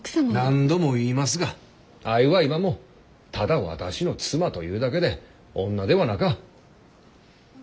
何度も言いますがあれは今もただ私の妻というだけで女ではなか。